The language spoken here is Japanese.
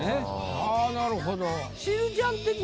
ああなるほど。